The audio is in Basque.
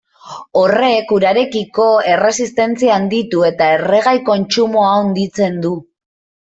Horrek urarekiko erresistentzia handitu eta erregai kontsumoa handitzen du.